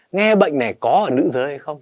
nghe bệnh này có ở nữ giới hay không